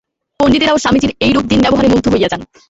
পণ্ডিতেরাও স্বামীজীর এইরূপ দীন ব্যবহারে মুগ্ধ হইয়া যান।